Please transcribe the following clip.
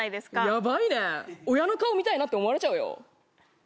ヤバいね親の顔見たいなって思われちゃうよ